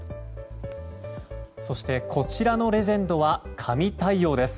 そしてこちらのレジェンドは神対応です。